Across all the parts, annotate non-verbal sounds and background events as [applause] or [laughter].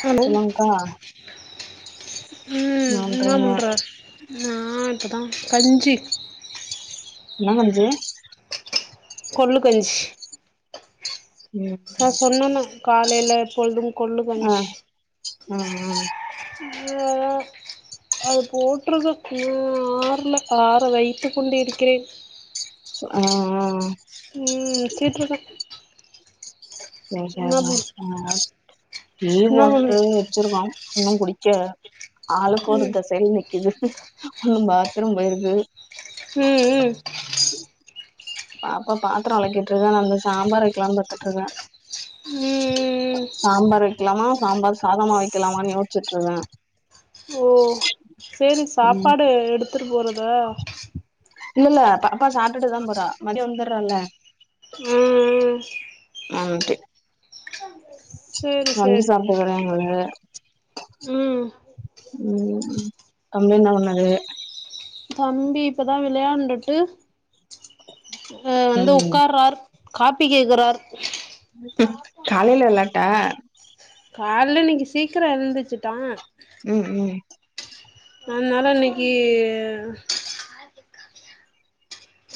hello சொல்லுங்க்கா ம் இன்ன நன்றிங்க பண்ற நா இப்ப தா கஞ்சி என்ன கஞ்சி கொள்ளு கஞ்சி ம் நா சொன்னன காலைல எப்பொழுது கொள்ளு ஆ கஞ்சி ம் ம் அ அ அது போட்ருது இன்னு ஆர்ல ஆற வைத்து கொண்டு இருக்கிறே சு ஆ ஆ ம் [unintelligible] சேரி என்ன சேரி பண் மா ஆ நீயே என்ன பண் ஓட்டு வச்சிருக்கோ இன்னு குடிக்கல ஆளுக்கு ஒரு ம் தெசைல நிக்குது ஒன்னு பாத்ரூம் போயிருக்கு ம் ம் பாப்பா பாத்ரோ வெளக்கிட்ருக்கா நா இந்த சாம்பார் வைக்லான் பாத்துட்ருக்கே ம் சாம்பார் வைக்லாமா சாம்பார் சாதமா வைக்லாமான்னு யோஸ்சிட்ருந்தே ஓ சேரி ம் சாப்பாடு எடுத்துட்டு போறதா இல்ல இல்ல பாப்பா சாப்ட்டுட்டு தா போறா மதியோ வந்துர்றால்ல ம் ம் [unintelligible] சேரி வந்து சேரி சாப்புட்றேங்குது ம் ம் தம்பி என்ன பண்ணுது தம்பி இப்பதா விளையாண்டுட்டு அ வந்து ம் உக்கார்றார் காப்பி கேக்குறார் ம் காலைல வெளாட்டா கால்ல இன்னைக்கு சீக்கரோ எழுந்திரிச்சுட்டா ம் ம் அதனால இன்னைக்கு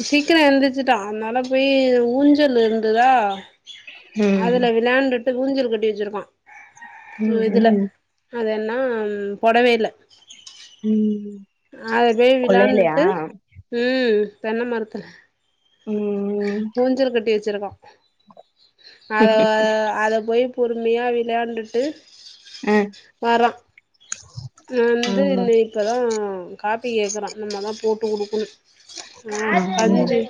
சீக்கரோ எழுந்திரிச்சுட்டா அதனால போயி ஊஞ்சல் இருந்துதா ம் அதுல விளையாண்டுட்டு ஊஞ்சல் கட்டி வச்சிருக்கோ ஒ ம் இதுல ம் அது என்னா பொடவைல ம் அத பேய் கொள்ளையிலையா விளாண்டுட்டு ம் தென்ன மரத்துல ம் ஊஞ்சல் கட்டி வச்சிருக்கோ அத அத அத போய் பொறுமையா விளாண்டுட்டு அ வரான் நா வந்து ம் இந்த இப்பதான் காப்பி கேக்கறான் இன்னுமதா போட்டு குடுக்கணும் ம் அ ம் அஞ்சு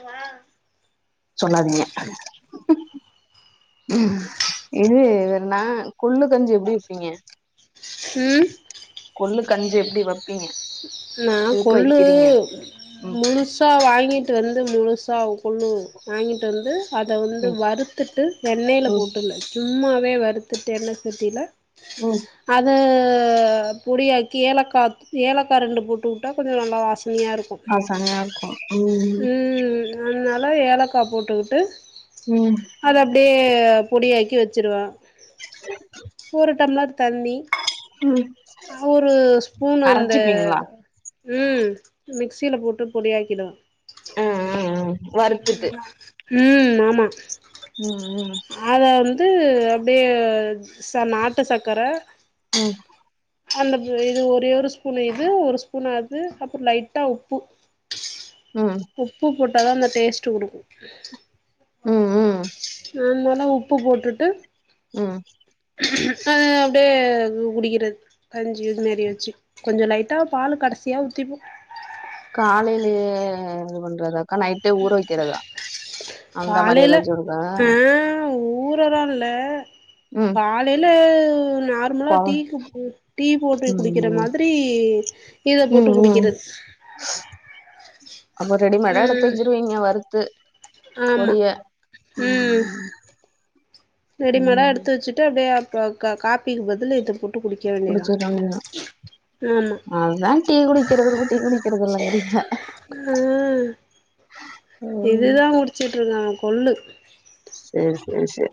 சொல்லாதீங்க இது வேற்ணா கொள்ளு கஞ்சு எப்டி வப்பீங்க ம் கொள்ளு கஞ்சு எப்டி வப்பீங்க நா எதுக்கு கொள்ளு வைக்கிறீங்க ம் முழுஸ் சா வாங்கிட்டு வந்து முழுசா கொள்ளு வாங்கிட்டு வந்து அத வந்து ம் வறுத்துட்டு வெண்ணெயில் ம் போட்டுல சும்மாவே வறுத்துட்டு எண்ண சட்டில ம் அத பொடியாக்கி ஏலக்காத் ஏலக் கா ரெண்டு போட்டு வுட்டா கொஞ்ச நல்லா வாசனையா இருக்கும் ஆ செமையா இருக்கும் ம் அதனால ஏலக்கா போட்டுக்கிட்டு ம் அது அப்டியே பொடியாக்கி வச்சுருவ ச ஒரு டம்ளர் தண்ணி ம் அ ஒரு ஸ்பூன் அந்த அரச்சிப்பீங்களா ம் மிக்சியில போட்டு பொடியாக்கிடு ஆ ஆ ஆ ம் ஆமா ம் ம் அத வந்து அப்படியே ச நாட்டு சக்கர ம் அந்த து இது ஒரே ஒரு ஸ்பூன் இது ஒரு ஸ்பூன் அது அப்புறொ லைட்டா உப்பு ம் உப்பு போட்டா தான் அந்த டேஸ்ட்டு கொடுக்கும் ம் ம் அதனால உப்பு போட்டுட்டு ம் அது அப்டியே கு குடிக்கறது கஞ்சி இதுமாரி வச்சு கொஞ்சம் லைட்டா பால் கடைசியா ஊத்திப்போ காலையிலயே இது பண்றதா அந்த மாரி காலையில ஏதாச்சும் இருக்கா ஆ ஊ த்ததான்ல ம் காலையில நா [unintelligible] போவோ டீக்கு டீ போட்டு குடிக்கிற ம் மாதிரி இத போட்டு ம் குடிக்கிற ம் அப்போ ரெடிமேடா எடுத்து ம் வச்சிருவீங்க வறுத்து ஆமா பொடிய ம் ரெடிமடா ம் எடுத்து வச்சுட்டு அத அப்போ கா காப்பிக்கு பதில் இத போட்டு குடிக் குடிச்சிற வேண்டியதா ஆமா அதான் டீ குடிக்கறதுக்கு டீ குடி ஆ ம் இதுதா முடி வச்சிட்டு் இருக்காங்க கொல்லு சேர் சேர் சேர்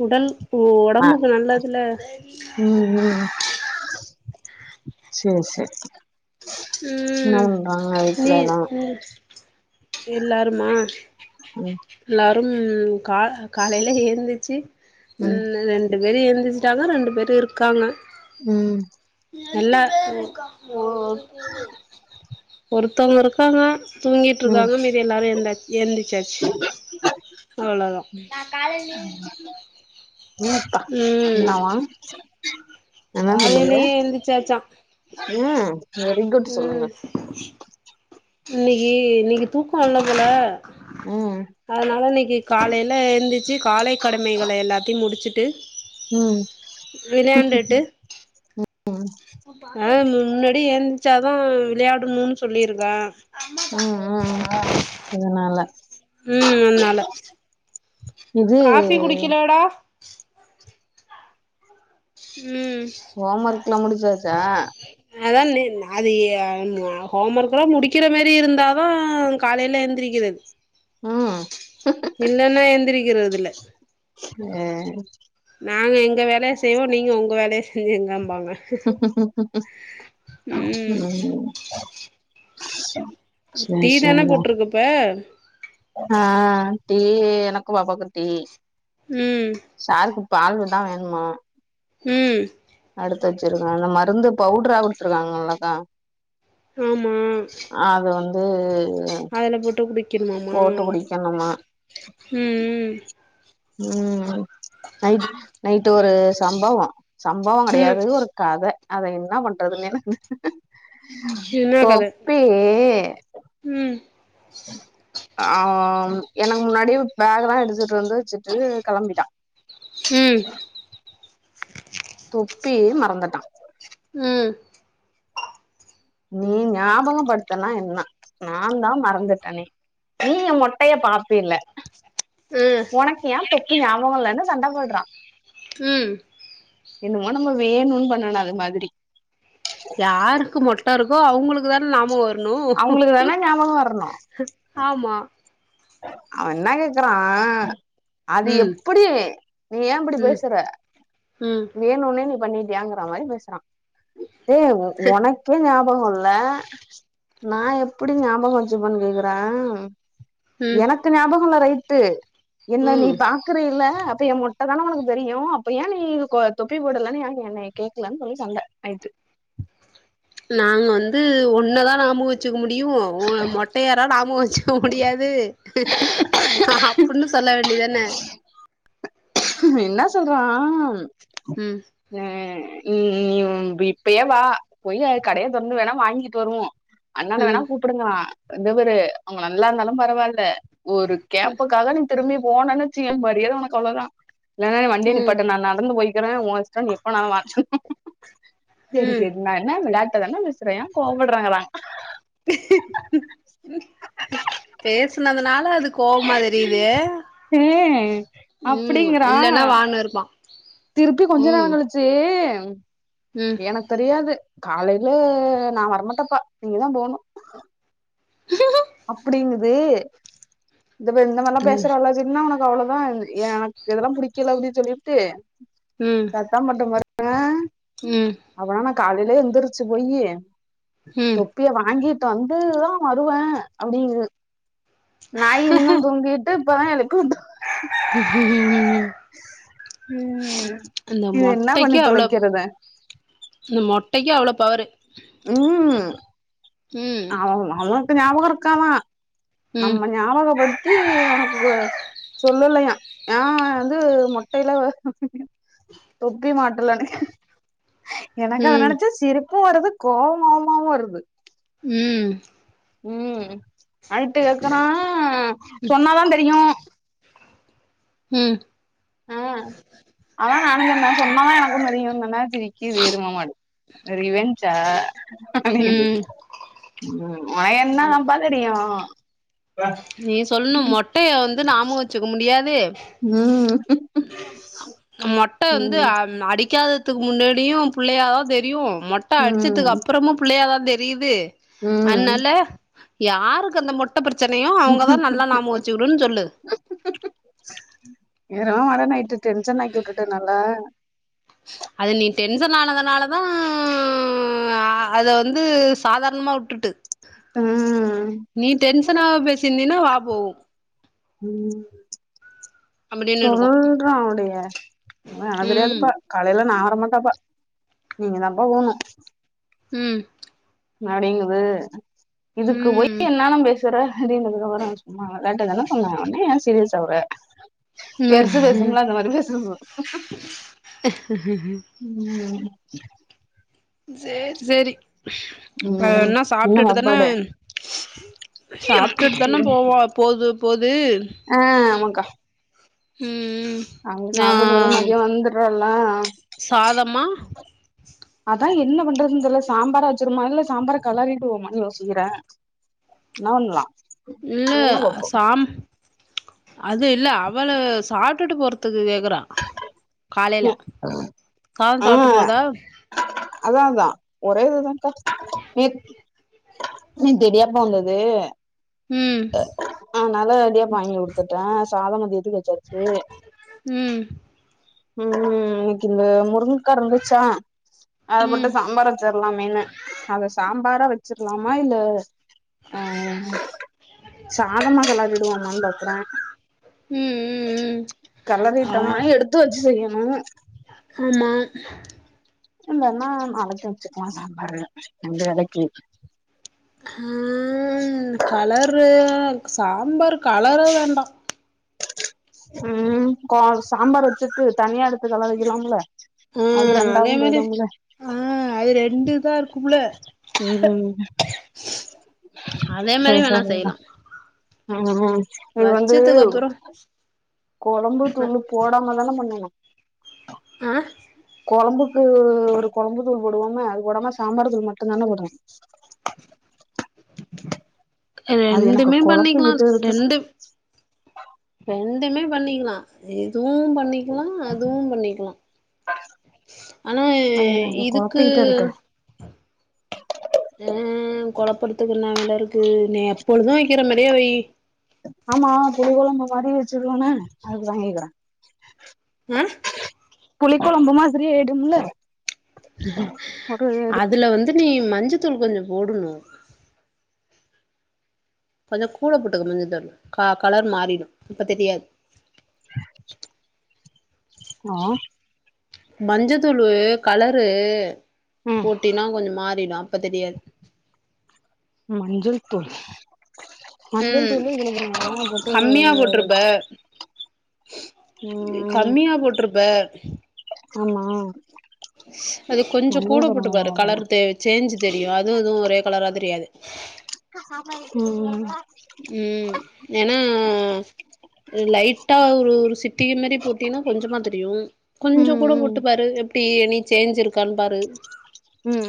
ஆ ஒடம்புக்கு நல்லதுல ம் ம் சேர் சேர் ம் நீ வீட்ல எல்லா உ எல்லாருமா ம் எல்லாரும் கா காலையில எந்துச்சி ம் ரெ ரெண்டு பேரு எழுந்திருச்சிட்டாங்க ரெண்டு பேரு இருக்காங்க ம் இல்ல ஒ ஒ ஒருத்தங்க இருக்காங்க ம் தூங்கிட்டுருக்காங்க மீது எல்லாரும் ஏந்தாச் எழுந்திருச்சாச்சு அவ்ளோதான் ஏ அப்பா ம் என்னவா என்னா பண்ணுது காலையிலயே எந்திச்சாச்சா ம் ம் இன்னிக்கு இன்னிக்கு தூக்கம் இல்ல போல ம் அதனால இன்னிக்கு காலைல எழுந்துச்சு காலை கடமைகளை எல்லாத்தையு முடிச்சிட்டு ம் ம் அ முன்னாடியே ஏன்ச்சாதான் விளையாடணும்ன்னு சொல்லியிருக்க ம் ம் அ அதனால ம் அனால இது காஃபி குடிக்கலடா ம் ஹோம் ஒர்க் எல்லாம் முடிச்சாச்சா அதான் நே அது எ அ ஹோம் ஒர்க்கெல்லாம் முடிக்கிற மேரி இருந்தாலும் காலையில எந்திரிக்கிறது ம் இல்லன்னா எந்திரிக்கிறது இல்ல சேரி நாங்க எங்க வேலைய செய்வோம் நீங்க உங்க வேலைய செய்ங்கம்பாங்க ம் டீ தானே போட்டிருக்க இப்ப ஆ டீ எனக்கும் பாப்பாக்கும் டீ ம் சாருக்கு பால் வந்தா வாங்கனு ம் அடுத்து வச்சிருக்காங்க மருந்து பவுடரா குடுத்துருக்காங்கல்லக்கா ஆமா அது வந்து அதுல போட்டு குடிக்கனுமாமா போட்டு குடிக்கணுமா ம் ம் ம் நைட் நைட் ஒரு சம்பவோ சம்பவம் ம் ம் கிடையாது ஒரு கத அத என்ன பண்றதுன்னே என்ன கத ம் ஆ எனக்கு முன்னாடியே பேக் எல்லாம் எடுத்துட்டு வந்து வச்சுட்டு கிளம்பிட்டான் ம் தொப்பியு மறந்துட்டான் ம் நீ ஞாபகபடுத்தனா என்னா நான்தா மறந்துட்டனே நீ என் மொட்டைய பாத்தில்ல ம் ஒனக் ஏ தொப்பி ஞாபகோ இல்லனு சண்ட போட்றா ம் என்னமோ நம்ம வேணுன் பண்ணுனோ அது மாதிரி யாருக்கு மொட்ட இருக்கோ அவுங்களுக்கு தான நாமோ வர்ணு அவங்களுக்கு தானே ஞாபகம் ஆமா அவ என்ன கேக்கறா அது ம் எப்புடி நீ ஏ அப்டி ம் பேசற ம் வேணுன்னே நீ பண்ணிட்டியாங்கற மாரி பேஸ்றா டே ஒ ஒனக்கே ஞாபகோ இல் ல நா எப்பிடி ஞாபகோ வச்சுப்பன் கேக்கறே ம் எனக்கு ஞாபகோல்ல ரைட்டு என்ன நீ ம் பா க்கறீல்ல அப்ப எ மொட்ட தான உனக்கு தெரியு அப்ப ஏ நீ இதுக்கோ தொப்பி போடலனு ஏ என்னைய கேக்கலன் சொல்லி சண்ட நைட்டு நாங் வந்து உன்னதா ஞாபகோ வெச்சுக்க முடியு உ மொட்டையரா ஞாபகோ வச்சுக் க முடியாது ஹா அப்புட்னு சொல்ல வேண்டியதான என்ன சொல்றா ம் அ ம் ம் ம் பு இப்பயே வா போயி கடைய தொறந்து வேணா வாங்கிட்டு வருவோ அண்ணன வேணா ம் கூப்புடுங்கா இந்தபரு அவுங்க நல்லாருந்தாலு பரவால்ல ஒரு கேப்புக்காக நீ திரும்பி போனன் வெச்சிக்கயே மரியாத உனக்கு அவ்ளோதா இல்லனா நீ வண்டிய ம் நிப்பாட்டு நா நடந்து போய்க்கிறே ஓ இஸ்டோ நீ எப்பனாலு வா சேரி ம் சேரி நா என்ன விளாட்டா தான பேஸ்றே ஏ கோவப்பட்றங்கிறாங் பேஸ்னதுனால அதுக் கோவமா தெரியிது ஏ ம் அப்டிங்கிறா இல்லன்னா வான்னுருப்பா திருப்பி கொஞ்ச நேரங் கழிச்சு ம் எனக் தெரியாது காலைல நா வரமாட்டப்பா நீங்க தா போணு ஹ அப்டிங்குது இதப்பார் இந்த மார்லா ம் பேசற வேல்லா வெச் சிக்ட்னா உனக்கு அவ்ளோ தா இது எனக்கு இதெல்லா புடிக்கல அப்டின் சொல்லிப்ட்டு ம் கா மட்டமார்க்ங்க ம் அப்பனா நா காலைலே எந்திருச்சு போயி ம் இப்பயே வாங்கீட் வந்து தா வருவே அப்டிங்குது நாயி இன்னு தூங்கிட் டு இப்ப தா எழுப்வுட்டோ ம் அந்த இது என்னா பண்ணி மொட்டைக்கு அவ்ளோ தொலைக்கறது இந்த மொட்டைக்கு அவ்ளோ பவரு ம் ம் அவோ அவன்க்கு ஞாபகோ இருக்காதா ம் நம்ம ஞாபகப்படுத்தி உனக்கு கு சொல்லலையா ஏ அவ வந்து மொட்டைல தொப்பி மாட்டலனு எனக் அத ம் நெனச்சா சிரிப்பு வருது கோவ்ங்கோவ்மாவு வருது ம் ம் அழ்ட்டு கேக்குறான் சொன்னாதா தெரியு ம் ஆ அதா நானுஞ்சொன்ன சொன்னா எனக்குந் தெரியு சொன்ன சிரிக்கிது எரும மாடு ரிவஞ்ச்சா ம் ம் ஒய்ணா நம்பா ன்னடியா நீ சொல்ணு மொட்டய வந்து நாமோ வெச்சுக்க முடியாது ம் மொட்ட வந்து அ ம் அடிக்காததுக்கு முன்னாடியு புள்ளயாதா தெரியு மொட்ட ம் அடிச்சதுக்கப் றோமு புள்ளயாதாந் தெரிது ம் அந்னால யாருக்கு அந்த மொட்ட பிரச்ச னயோ அவுங்கதா நல்லா நாமோ வெச்சுகிடுனு சொல்லு [unintelligible] நைட்டு டென்ஷன் ஆக்கி விட்டுட்டனல்ல அது நீ டென்சன் ஆனதுனாலதா அத வந்து சாதாரணமா விட்டுட்டு ம் நீ டென்சனாவ பேசிருந்தீனா வா போவு ம் அப்படின்னு இருக்கு சொல்றான் அப்டியே ம் [unintelligible] காலைல நா வரமாட்டப்பா நீங்க தாப்பா போணு ம் அப்டிங்குது இதுக்கு ம் போய் என்னாலும் பே சற அப்டின்னதுக்கப்றோ சொன்னாங்க ஏன்ட்டதான சொன்னாங்க ஒடனே ஏன் சீரியஸ் ஆவ்ர ம் பெருசு பேசுமல்ல அந்த மாரி பேசனுமா ம் சேர் சேரி இப்ப ம் என்ன சாப்ட்டுட்டுதான சாப்பாடு சாப்ட்டுட்டுதான போவோ போது போது அ ஆமாக்கா ம் ம் அவுங்க ஆ சாப்ட்டுட்டு வரு மதியோ வந்தரோல்ல சாதமா அதா என்ன பண்றதுன்னு தெர்ல சாம்பார வெச்சுருவமா இல்ல சாம்பார கெலறிடுவோமான்னு யோசிக்கற என்ன வண்லா இல்ல சாம் அது இல்ல அவள சாப்டுட்டு போறதுக்கு கேக்குற காலைல சாதோ ஆ சாப்ட்டு போதா அதா அதா ஒரே இதுதாங்க்கா நேத்தி நேத்து இடியாப்போ வந்தது ம் அதனால இடியாப்போ வாங்கி குடுத்துட்ட சாதோ மதியத்துக்கு வெச்சாச்சு ம் ம் இன்னக்கி இந்த முருங்கக்கா இருந்துச்சா அத ம் போட்டு ம் சாம்பார் வெச்சிரலாமேன்னு அத சாம்பாரா வெச்சிரலாமா இல்ல அ சாதமா கெளறிடுவோமானு பாக்கற ம் ம் ஆமா கெலறிட்டோம்னா எடுத்து வெச்சு செய்யணு ஆமா இல்லனா நாளைக்கு வெச்சுக்கலா சாம்பார ரெண்டு வேலைக்கு ம் கலரு சாம்பார் கெலற வேண்டா ம் கொ சாம்பார வெச்சிருட்டு தனியா எடுத்து கெலரிக்கலாமல்ல அது ரெண்டாவு போய்டும்ல அ அது ரெண்டுதா இருக்கும்ல ம் அதே மாரி வேணா செய்லா ம் ம் இது வந்துவ் அப்புறோ கொழம்பு தூளு போடாமதான பண்ணிணு ஆ கொழம்புக்கு ஒரு கொழம்பு தூள் போடுவோமே அது போடாம சாம்பார் தூள் மட்டு தான போட்ற அது எனக்கு ரெண்டுமே பண்ணிக்லான் கொழப்பிக்கிட்டு இருக்கு ரெண்டு ரெண்டுமே பண்ணிக்கிலா எதுவு பண் பண்ணிக்லா அதுவு பண்ணிக்கலா ஆனா எ அது எனக்கு இதுக்கு கொழப்பிக்கிட்டு இருக்கு அ கொலப்படுத்துக்கு என்ன வேல இருக்கு நீ எப்பொழுதூ வெக்கிற மரியே வை ஆமா புளி கொழம்பு மாரி வச்சிருவானே அதுக்குதா கேக்குறே நா புளி கொழம்பு மாதிரி அய்டும்ல அதுல வந்து நீ மஞ்சத்தூள் கொஞ்சோ போடணு கொஞ்ச கூட போட்டுக்க மஞ்சதள் கா கலர் மாறிடு இப்ப தெரியாத் ஆ மஞ்சத்தூளு கலரு ம் போட்டினா கொஞ்ச் மாறிடா இப்ப தெரியாது மஞ்சள் தூள் மஞ்சள் ம் தூள் [unintelligible] போட்டு எ கம்மியா போட்ருப்ப அம்மா அது கொஞ்சோ கூட போட்டு பாரு கலர் தே சேஞ்சு தெரியு அதுவு இதுவு ஒரே கலரா தெரியாது உ ம் ம் ஏனா எ லைட்டா ஒரு ஒரு சிட்டி மாரி போட்டீன்னா கொஞ்சமா தெரியு கொஞ்சோ கூட ம் ம் போட்டு பாரு எப்டி எனி சேஞ்சிருக்கான் பாரு ம்